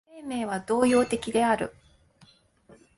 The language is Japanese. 生命は動揺的である。